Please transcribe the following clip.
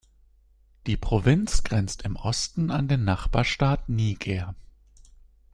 Die Provinz grenzt im Osten an den Nachbarstaat Niger.